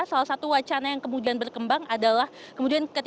salah satu wacana yang kemudian berkembang adalah kemudian ketika pimpinan kpk berkembang